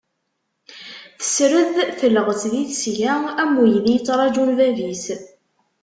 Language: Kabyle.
Tesred, telɣet di tesga am uydi yettrajun bab-is.